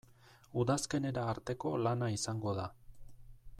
Udazkenera arteko lana izango da.